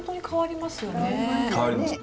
変わりますね。